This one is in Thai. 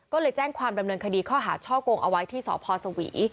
ก็เลยแจ้งความดำเนินคดีข้อหาช่อกงเอาไว้ที่สพสวี